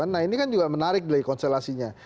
nah ini kan juga menarik dari konstelasinya